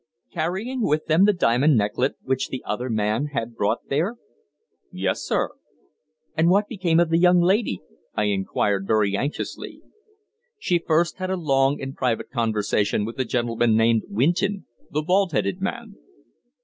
"Carrying with them the diamond necklet which the other man had brought there?" "Yes, sir." "And what became of the young lady?" I inquired very anxiously. "She first had a long and private conversation with the gentleman named Winton the bald headed man."